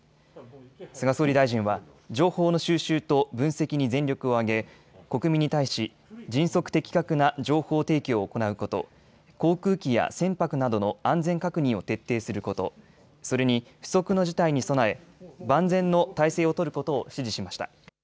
菅総理大臣は情報の収集と分析に全力を挙げ、国民に対し迅速・的確な情報提供を行うこと、航空機や船舶などの安全確認を徹底すること、それに不測の事態に備え万全の態勢をとることを指示しました。